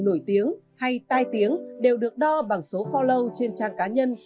khi sự nổi tiếng hay tai tiếng đều được đo bằng số follow trên trang cá nhân